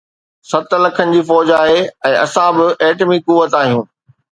ست لکن جي فوج آهي ۽ اسان به ايٽمي قوت آهيون.